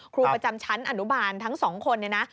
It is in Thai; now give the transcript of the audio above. ครูประจำชั้นอนุบาลทั้ง๒คน